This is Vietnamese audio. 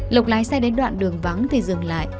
lộc lái xe đến đoạn đường vắng thì dừng lại